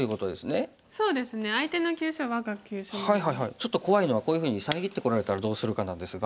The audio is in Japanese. ちょっと怖いのはこういうふうに遮ってこられたらどうするかなんですが。